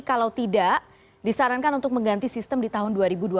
kalau tidak disarankan untuk mengganti sistem di tahun dua ribu dua puluh